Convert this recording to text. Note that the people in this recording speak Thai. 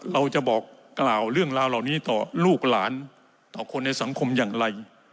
เราจะบอกกล่าวเรื่องราวเหล่านี้ต่อลูกหลานต่อคนในสังคมอย่างไร